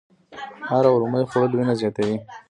انار او رومي خوړل وینه زیاتوي.